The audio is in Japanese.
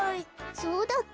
そうだっけ？